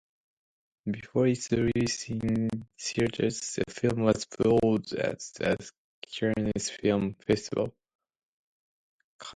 Before its release in theatres, the film was booed at the Cannes film festival.